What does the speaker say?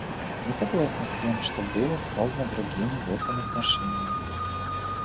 Мы согласны с тем, что было сказано другими в этом отношении.